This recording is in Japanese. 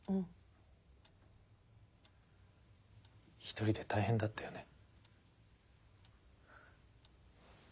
一人で大変だったよね。